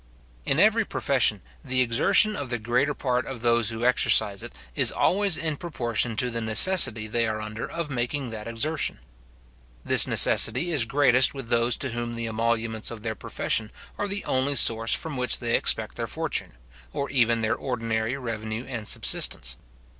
In every profession, the exertion of the greater part of those who exercise it, is always in proportion to the necessity they are under of making that exertion. This necessity is greatest with those to whom the emoluments of their profession are the only source from which they expect their fortune, or even their ordinary revenue and subsistence.